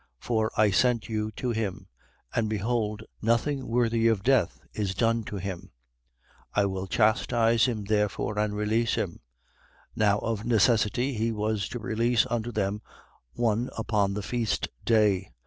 For, I sent you to him: and behold, nothing worthy of death is done to him. 23:16. I will chastise him therefore and release him. 23:17. Now of necessity he was to release unto them one upon the feast day.